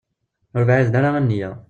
Ur bɛiden ara a nniya.